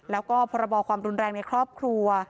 แล้วก็พรบความรุนแรงในครอบครัว